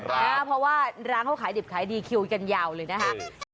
เพราะว่าร้านเขาขายดิบขายดีคิวกันยาวเลยนะคะ